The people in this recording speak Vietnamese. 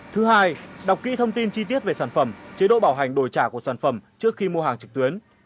thứ hai đọc kỹ thông tin chi tiết về sản phẩm chế độ bảo hành đổi trả của sản phẩm trước khi mua hàng trực tuyến